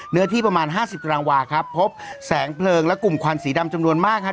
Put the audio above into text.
เนื้อที่ประมาณห้าสิบตารางวาครับพบแสงเพลิงและกลุ่มควันสีดำจำนวนมากครับ